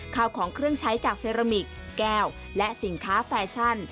ข้าวของเครื่องใช้จากเซรามิกแก้วและสินค้าแฟชั่น